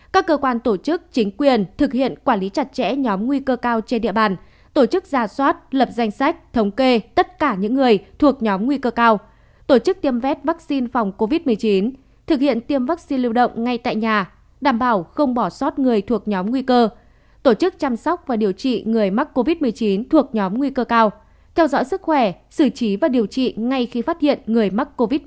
các cơ quan tổ chức chính quyền thực hiện quản lý chặt chẽ nhóm nguy cơ cao trên địa bàn tổ chức ra soát lập danh sách thống kê tất cả những người thuộc nhóm nguy cơ cao tổ chức tiêm vét vaccine phòng covid một mươi chín thực hiện tiêm vaccine lưu động ngay tại nhà đảm bảo không bỏ soát người thuộc nhóm nguy cơ tổ chức chăm sóc và điều trị người mắc covid một mươi chín thuộc nhóm nguy cơ cao theo dõi sức khỏe xử trí và điều trị ngay khi phát hiện người mắc covid một mươi chín